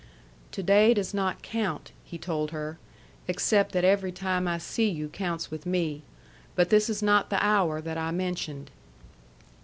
"To day does not count," he told her, "except that every time I see you counts with me. But this is not the hour that I mentioned."